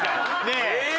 ねえ。